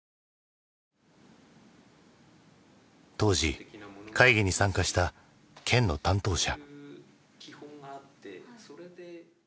当時会議に参加した県の担当者。